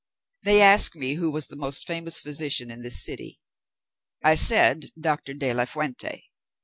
They asked me who was the most famous physician in this city. I said Doctor de la Fuente.